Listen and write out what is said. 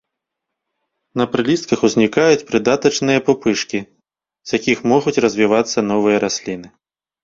На прылістках узнікаюць прыдатачныя пупышкі, з якіх могуць развівацца новыя расліны.